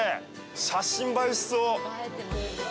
写真映えしそう。